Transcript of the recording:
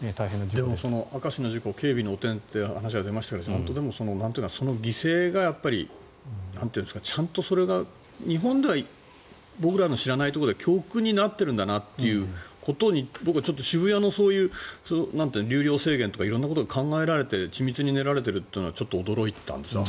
でも、明石の事故警備の汚点という話が出ましたがその犠牲がちゃんとそれが日本では僕らの知らないところで教訓になってるんだなってことに僕は渋谷の流量制限とか色んなことが考えられて緻密に練られているというのはちょっと驚いたんですね。